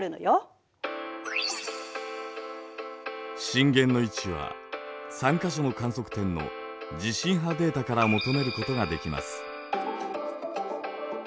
震源の位置は３か所の観測点の地震波データから求めることができます。